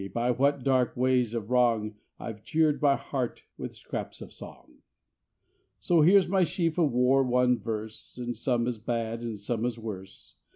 by what dark ways of wrong I've cheered my heart with scraps of song. So here's my sheaf of war won verse, And some is bad, and some is worse.